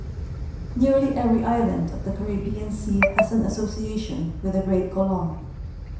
Nearly every island of the Caribbean sea has an association with the great Colon.